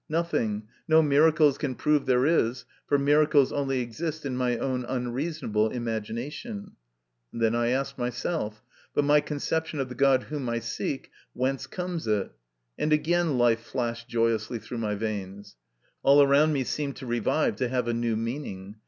Nothing, no miracles can prove there is, for miracles only exist in my own unreasonable imagination." And then I asked myself: "But my con ception of the God whom I seek, whence comes it?" And again life flashed joyously through my veins. All around me seemed to revive, to have a new meaning.